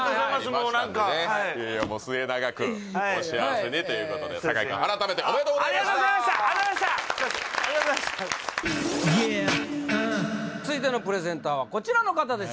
もう何かいやいやもう末永くお幸せにということで酒井君改めておめでとうございましたありがとうございましたありがとうございました続いてのプレゼンターはこちらの方です